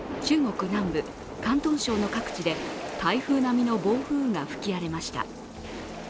今月７日、中国南部広東省の各地で台風並みの暴風雨が吹き荒れました。